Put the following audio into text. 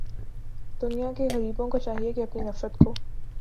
دنیا کے غریبوں کو چاہیے کہ اپنی نفرت کو